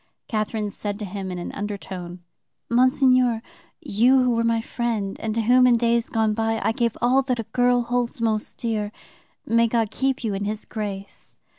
Catherine said to him in an undertone: "'Monseigneur, you who were my friend, and to whom in days gone by I gave all that a girl holds most dear, may God keep you in His grace!